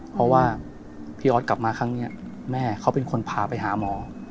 เพราะว่าพี่ออสกลับมาครั้งนี้แม่เขาเป็นคนพาไปหาหมอ